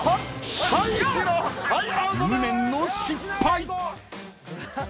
［無念の失敗］